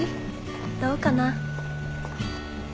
どうかな？